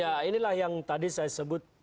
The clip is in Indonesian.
ya inilah yang tadi saya sebut